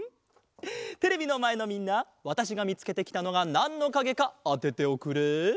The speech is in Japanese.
テレビのまえのみんなわたしがみつけてきたのがなんのかげかあてておくれ。